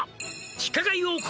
「地下街王国